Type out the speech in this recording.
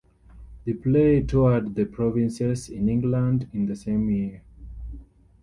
The play toured the provinces in England in the same year.